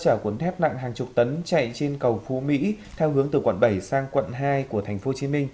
chở cuốn thép nặng hàng chục tấn chạy trên cầu phú mỹ theo hướng từ quận bảy sang quận hai của tp hcm